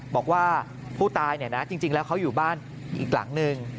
บอกว่าผู้ตายจริงแล้วเขาอยู่บ้านอีกหลังหนึ่ง